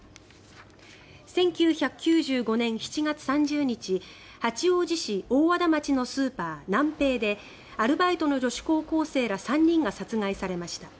１９９５年７月３０日八王子市大和田町のスーパーナンペイでアルバイトの女子高校生ら３人が殺害されました。